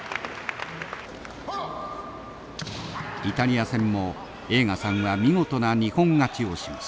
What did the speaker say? イタリア戦も栄花さんは見事な二本勝ちをします。